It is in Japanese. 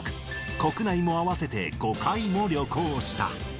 国内も合わせて５回も旅行した。